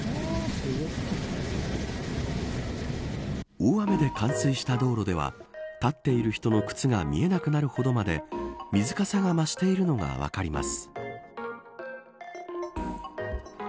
大雨で冠水した道路では立っている人の靴が見えなくなるほどまで水かさが増しているのが分かります。